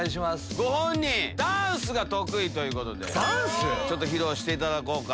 ご本人ダンスが得意ということで披露していただこうかと。